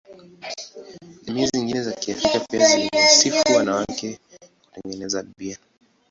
Jamii zingine za Kiafrika pia ziliwasifu wanawake kwa kutengeneza bia.